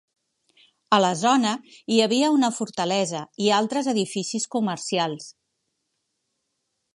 A la zona hi havia una fortalesa i altres edificis comercials.